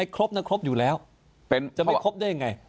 ครบนะครบอยู่แล้วจะไม่ครบได้ยังไง